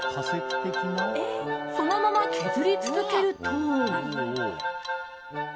そのまま削り続けると。